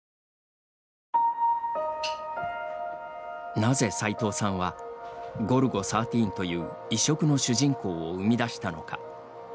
なぜ、さいとうさんは「ゴルゴ１３」という異色の主人公を生み出したのか。